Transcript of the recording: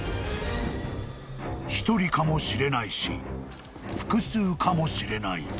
［１人かもしれないし複数かもしれない］